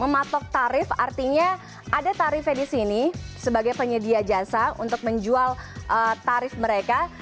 mematok tarif artinya ada tarifnya di sini sebagai penyedia jasa untuk menjual tarif mereka